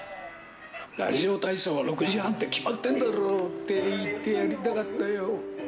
ラジオ体操は６時半って決まってんだろって、言ってやりたかったよ。